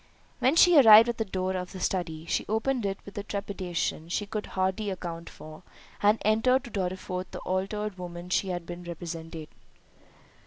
When she arrived at the door of the study, she opened it with a trepidation she could hardly account for, and entered to Dorriforth the altered woman she has been represented.